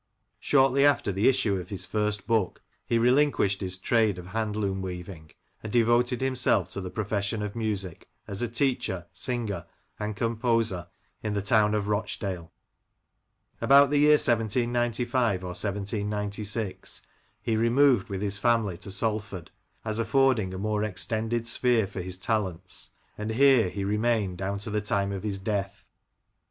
Shortly afler the issue of his first book, he relinquished his trade of hand loom weaving, and devoted himself to the profession of musiq, as a teacher, singer, and composer, in the town of Rochdale. About the year 1795 or 1796 he removed with his family to Salford, as affording a more extended sphere for his talents, and here he remained down to the time of his death.